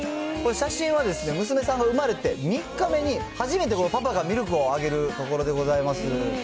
写真は、娘さんが生まれて３日目に、初めてこのパパがミルクをあげるところでございます。